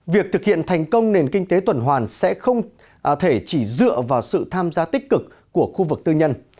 việc thực hiện thành công nền kinh tế tuần hoàn sẽ không thể chỉ dựa vào sự tham gia tích cực của khu vực tư nhân